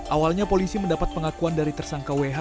awalnya polisi mendapat pengakuan dari tersangka wh